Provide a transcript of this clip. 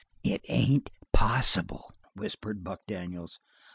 "It ain't possible!" whispered Buck Daniels.